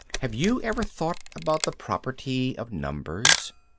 Have you ever thought about the properties of numbers?